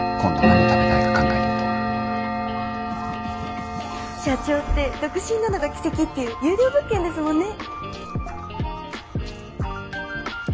何食べたいか考えといて社長って独身なのが奇跡っていう優良物件ですもんね